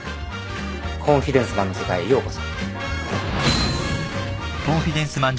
コンフィデンスマンの世界へようこそ。